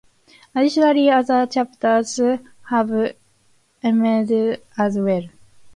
Additionally, other chapters have emerged as well.